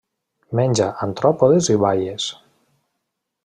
Menja artròpodes i baies.